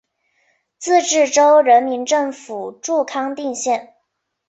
自治州人民政府驻康定县。